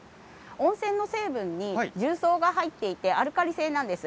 温泉の成分に重曹が入っていてアルカリ性です。